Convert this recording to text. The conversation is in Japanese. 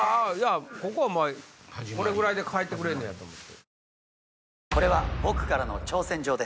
ここはこれぐらいで帰ってくれんねやと思って。